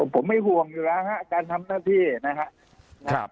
ผมไม่ห่วงอยู่แล้วฮะการทำหน้าที่นะครับ